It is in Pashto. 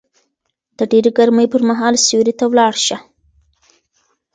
د ډېرې ګرمۍ پر مهال سيوري ته ولاړ شه